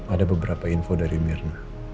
ada beberapa info dari mirna